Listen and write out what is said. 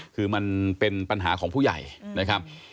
คือมันเป็นปัญหาของผู้ใหญ่นะครับ